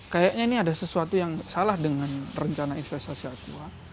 kayaknya ini ada sesuatu yang salah dengan rencana investasi aqua